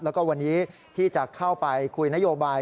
แล้วก็วันนี้ที่จะเข้าไปคุยนโยบาย